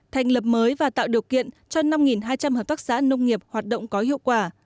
thành lập mới và tạo điều kiện cho năm hai trăm linh hợp tác xã nông nghiệp hoạt động có hiệu quả